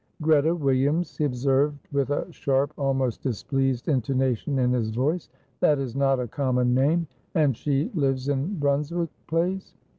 "Greta Williams," he observed, with a sharp, almost displeased intonation in his voice. "That is not a common name. And she lives in Brunswick Place?"